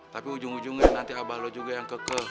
tapi ujung ujungnya nanti abah lu juga yang kekeh